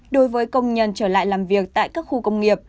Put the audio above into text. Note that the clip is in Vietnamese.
đối với công nhân trở lại làm việc tại các khu công nghiệp